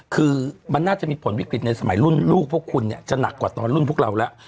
คือมันน่าจะมีผลวิกฤตในสมัยรุ่นลูกพวกคุณเนี่ยจะหนักกว่าตอนรุ่นพวกเราแล้ว